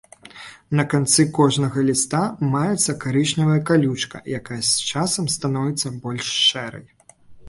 На канцы кожнага ліста маецца карычневая калючка, якая з часам становіцца больш шэрай.